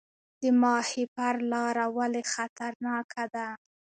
د ماهیپر لاره ولې خطرناکه ده؟